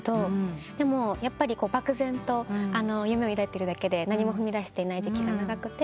でもやっぱり漠然と夢を抱いているだけで何も踏み出していない時期が長くて。